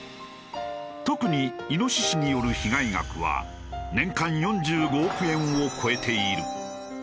特にイノシシによる被害額は年間４５億円を超えている。